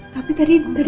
tapi tadi dia manjel nama